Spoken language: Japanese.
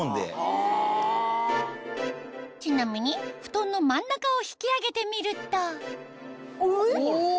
ちなみに布団の真ん中を引き上げてみるとえっ！